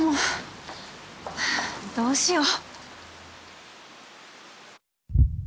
どうしよう。